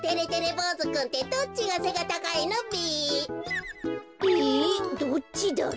ぼうずくんってどっちがせがたかいのべ？えっどっちだろ？